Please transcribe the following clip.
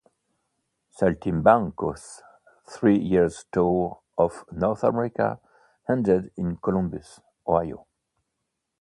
"Saltimbanco"'s three-year tour of North America ended in Columbus, Ohio.